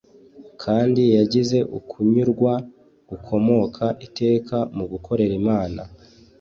kandi yagize ukunyurwa gukomoka iteka mu gukorera imana